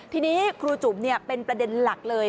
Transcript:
ทีนี้ครูจุ๋มเป็นประเด็นหลักเลย